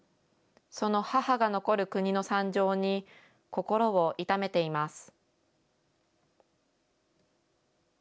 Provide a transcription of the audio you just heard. その母が残る国の惨状に、心を痛めています。